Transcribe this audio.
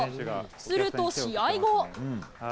すると試合後。